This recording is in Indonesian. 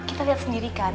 kita liat sendiri kan